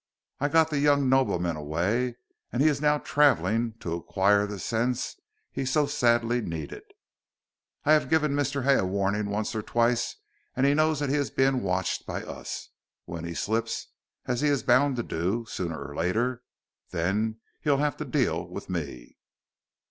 I got the young nobleman away, and he is now travelling to acquire the sense he so sadly needed. I have given Mr. Hay a warning once or twice, and he knows that he is being watched by us. When he slips, as he is bound to do, sooner or later, then he'll have to deal with me.